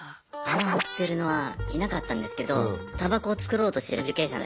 穴掘ってるのはいなかったんですけどたばこを作ろうとしてる受刑者がいました。